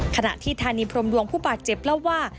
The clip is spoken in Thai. ขณะที่ธานีพรมดวงผู้บาดเจ็บเล่าว่า